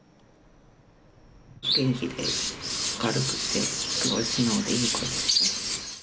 元気で明るくて、すごい素直でいい子でした。